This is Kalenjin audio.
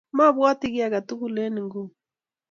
mobwoti kiy age tugul eng nguni